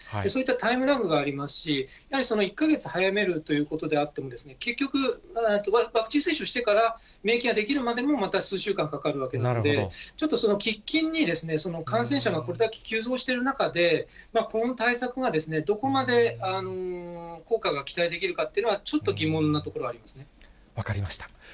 そういったタイムラグがありますし、やはり１か月早めるということであっても、結局、ワクチン接種してから免疫が出来るまでも、また数週間かかるわけなんで、ちょっとその喫緊に感染者がこれだけ急増している中で、この対策がどこまで効果が期待できるかっていうのはちょっと疑問分かりました。